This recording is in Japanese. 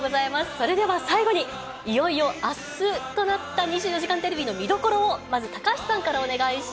それでは最後に、いよいよあすとなった２４時間テレビの見どころを、まず高橋さん